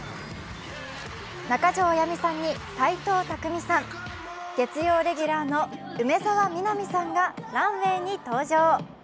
中条あやみさんに斎藤工さん、月曜レギュラーの梅澤美波さんがランウェイに登場。